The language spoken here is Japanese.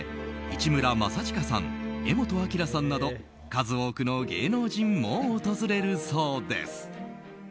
市村正親さん、柄本明さんなど数多くの芸能人も訪れるそうです。